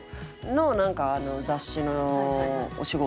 のなんか雑誌のお仕事があって。